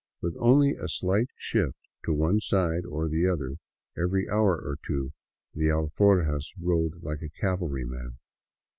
With only a slight shift to one side or the other every hour or two the alforjas rode like a cavalryman.